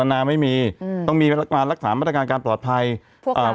นาไม่มีอืมต้องมีการรักษามาตรการการปลอดภัยพวกอ่า